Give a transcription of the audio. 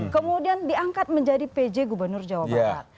kemudian diangkat menjadi pj gubernur jawa barat